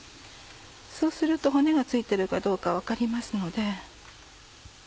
そうすると骨が付いてるかどうか分かりますので。